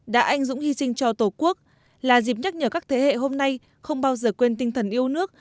đã anh dũng hy sinh cho tổ quốc là dịp nhắc nhở các thế hệ hôm nay không bao giờ quên tinh thần yêu nước